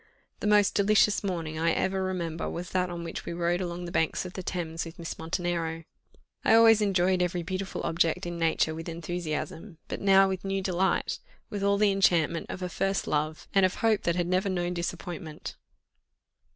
The most delicious morning I ever remember was that on which we rowed along the banks of the Thames with Miss Montenero. I always enjoyed every beautiful object in nature with enthusiasm, but now with new delight with all the enchantment of a first love, and of hope that had never known disappointment.